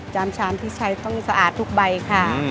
ชามที่ใช้ต้องสะอาดทุกใบค่ะ